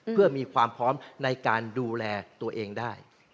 เพื่อมีความพร้อมในการดูแลตัวเองได้